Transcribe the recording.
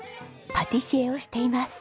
パティシエをしています。